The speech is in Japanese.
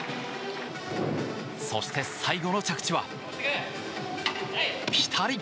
そして、最後の着地はピタリ。